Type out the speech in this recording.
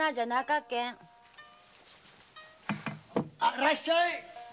いらっしゃい。